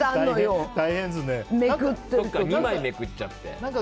２枚めくっちゃって。